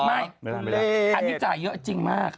อันนี้จ่ายเย้าจริงมาก